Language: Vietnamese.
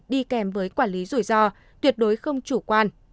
đi kèm với quản lý rủi ro tuyệt đối không chủ quan